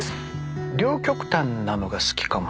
両極端なのが好きかもしれない。